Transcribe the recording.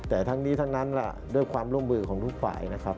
แต่ทั้งนี้ทั้งนั้นล่ะด้วยความร่วมมือของทุกฝ่ายนะครับ